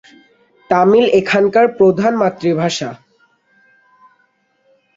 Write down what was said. তামিল এখানকার প্রধান মাতৃভাষা।